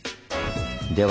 では